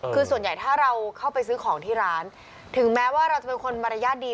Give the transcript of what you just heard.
คือส่วนใหญ่ถ้าเราเข้าไปซื้อของที่ร้านถึงแม้ว่าเราจะเป็นคนมารยาทดี